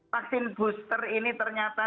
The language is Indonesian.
vaksin booster ini ternyata